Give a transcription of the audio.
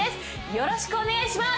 よろしくお願いします！